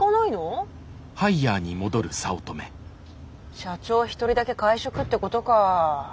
社長１人だけ会食ってことか。